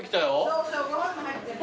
そうそうご飯も入ってるの。